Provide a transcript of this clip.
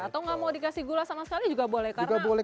atau nggak mau dikasih gula sama sekali juga boleh karena